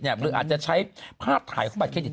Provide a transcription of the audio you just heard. หรืออาจจะใช้ภาพถ่ายของบัตเครดิต